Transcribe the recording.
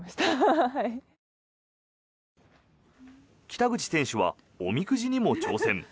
北口選手はおみくじにも挑戦。